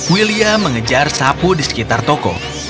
william mengejar sapu di sekitar toko